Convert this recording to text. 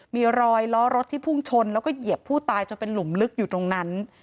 มีรอยล้อรถที่พุ่งชนแล้วก็เหยียบผู้ตายจนเป็นหลุมลึกอยู่ตรงนั้น